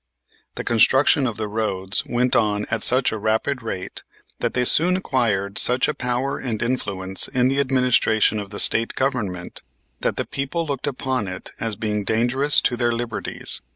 The construction of the roads went on at such a rapid rate that they soon acquired such a power and influence in the administration of the State Government that the people looked upon it as being dangerous to their liberties.